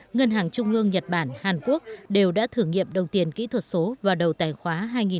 ngân hàng trung ương nhật bản hàn quốc đều đã thử nghiệm đồng tiền kỹ thuật số vào đầu tài khoá hai nghìn hai mươi